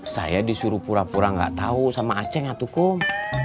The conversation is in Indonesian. saya disuruh pura pura nggak tahu sama aceh ngatu kum